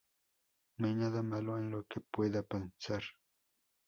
No hay nada malo en lo que pueda pensar.